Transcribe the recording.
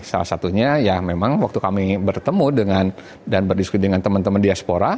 salah satunya ya memang waktu kami bertemu dengan dan berdiskusi dengan teman teman diaspora